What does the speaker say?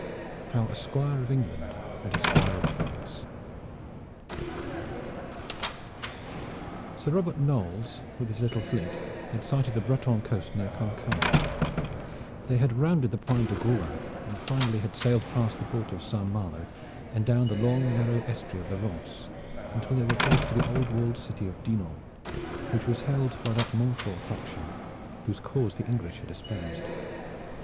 HOW A SQUIRE OF ENGLAND MET A SQUIRE OF FRANCE Sir Robert Knolles with his little fleet had sighted the Breton coast near Cancale; they had rounded the Point du Grouin, and finally had sailed past the port of St. Malo and down the long narrow estuary of the Rance until they were close to the old walled city of Dinan, which was held by that Montfort faction whose cause the English had espoused.